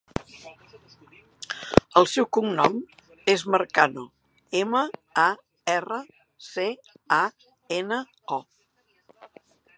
El seu cognom és Marcano: ema, a, erra, ce, a, ena, o.